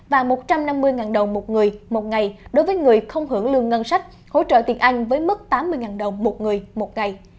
và một trăm năm mươi đồng một người một ngày đối với người không hưởng lương ngân sách hỗ trợ tiền ăn với mức tám mươi đồng một người một ngày